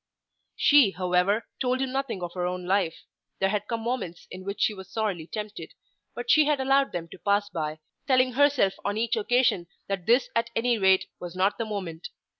She, however, told him nothing of her own life. There had come moments in which she was sorely tempted. But she had allowed them to pass by, telling herself on each occasion that this at any rate was not the moment.